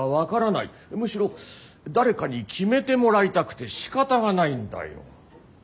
むしろ誰かに決めてもらいたくてしかたがないんだよ。